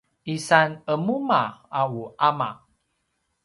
isan qemuma a u ama